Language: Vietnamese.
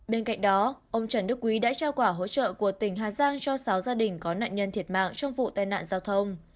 bên cạnh đó ông trần đức quý đã trao quả hỗ trợ của tỉnh hà giang cho sáu gia đình có nạn nhân thiệt mạng trong vụ tai nạn giao thông